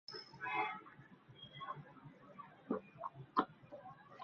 The committee was no longer able to act.